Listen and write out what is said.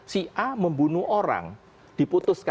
si a membunuh orang diputuskan